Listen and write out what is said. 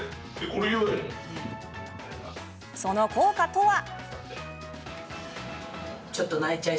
その効果とは？